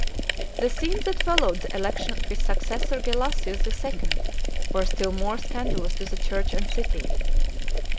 The scenes that followed the election of his successor Gelasius the Second were still more scandalous to the church and city.